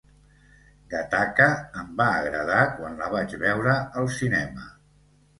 "Gattaca" em va agradar quan la vaig veure al cinema